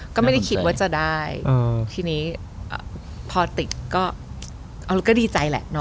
ก็ไม่ได้คิดว่าจะได้ทีนี้พอติดก็ดีใจแหละเนาะ